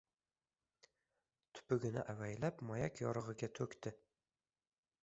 Tupugini avaylab moyak yorig‘iga to‘kdi.